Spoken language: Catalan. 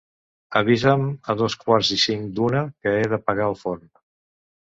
Avisa'm a dos quarts i cinc d'una, que he d'apagar el forn.